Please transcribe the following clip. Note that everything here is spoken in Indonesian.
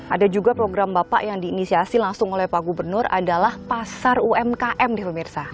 ada juga program bapak yang diinisiasi langsung oleh pak gubernur adalah pasar umkm nih pemirsa